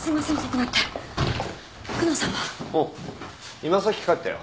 今さっき帰ったよ。